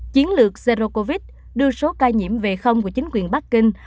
chiến lược zero covid đưa số ca nhiễm về của chính quyền bắc kinh